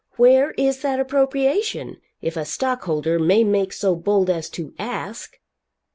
Where is that appropriation? if a stockholder may make so bold as to ask."